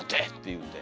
言うて。